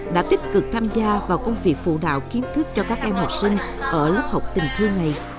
đã tích cực tham gia vào công việc phụ đạo kiến thức cho các em học sinh ở lớp học tình thương này